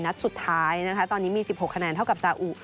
นัดสุดท้ายนะคะตอนนี้มี๑๖คะแนนเท่ากับสาอุ